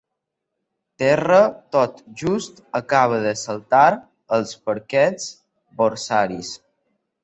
Terra tot just acaba de saltar als parquets borsaris.